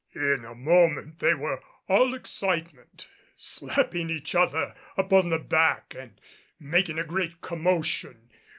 In a moment they were all excitement, slapping each other upon the back and making a great commotion.